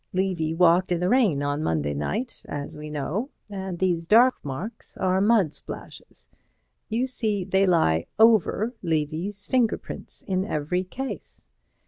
Levy walked in the rain on Monday night, as we know, and these dark marks are mud splashes. You see they lie over Levy's finger prints in every case.